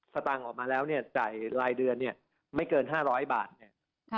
สตางค์ออกมาแล้วเนี่ยจ่ายรายเดือนเนี่ยไม่เกิน๕๐๐บาทเนี่ย